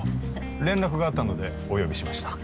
連絡があったのでお呼びしました